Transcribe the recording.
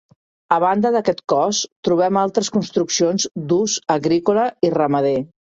A banda d'aquest cos, trobem altres construccions d'ús agrícola i ramader.